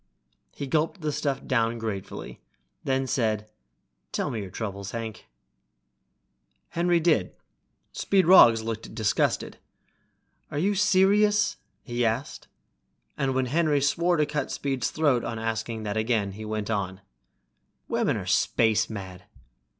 He gulped the stuff down gratefully, then said, "Tell me your troubles, Hank." Henry did. Speed Roggs looked disgusted. "Are you serious?" he asked, and when Henry swore to cut Speed's throat on asking that again, went on, "Women are space mad!"